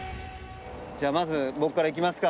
じゃあまず僕から行きますか。